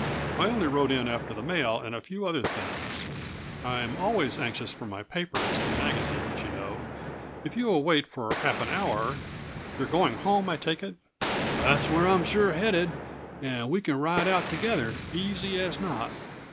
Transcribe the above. I only rode in after the mail and a few other things. I'm always anxious for my papers and magazines, you know. If you will wait for half an hour you are going home, I take it?" "That's where I'm sure headed, and we can ride out together, easy as not.